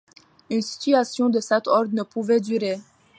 Une situation de cet ordre ne pouvait durer.